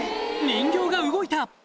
人形が動いた！